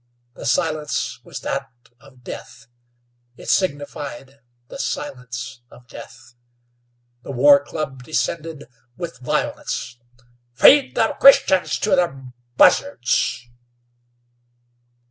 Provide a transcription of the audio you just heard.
The silence was that of death. It signified the silence of death. The war club descended with violence. "Feed the Christians to ther buzzards!"